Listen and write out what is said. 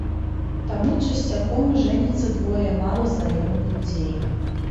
Таму часцяком жэняцца двое мала знаёмых людзей.